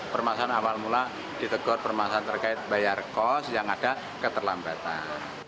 permasalahan awal mula ditegur permasalahan terkait bayar kos yang ada keterlambatan